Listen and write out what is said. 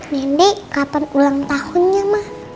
nindi kapan ulang tahunnya mah